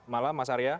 selamat malam mas arya